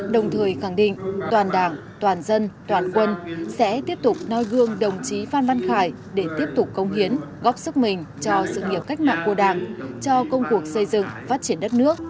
đồng thời khẳng định toàn đảng toàn dân toàn quân sẽ tiếp tục nôi gương đồng chí phan văn khải để tiếp tục công hiến góp sức mình cho sự nghiệp cách mạng của đảng